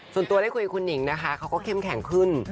ส่วนตัวได้คุยกับคุณหนิงนะคะเขาก็เข้มแข็งขึ้น